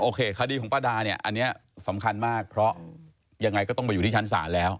คดีของป้าดาเนี่ยอันนี้สำคัญมากเพราะยังไงก็ต้องไปอยู่ที่ชั้นศาลแล้ว